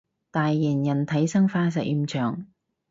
大型人體生化實驗場